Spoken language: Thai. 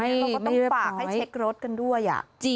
เราก็ต้องฝากให้เช็ครถกันด้วย